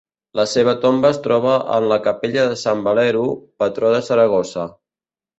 La seva tomba es troba en la capella de Sant Valero, patró de Saragossa.